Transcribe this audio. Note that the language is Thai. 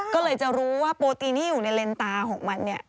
ก็เลยจะรู้ว่าโปรตีนที่อยู่ในเลนตาของมันเนี่ย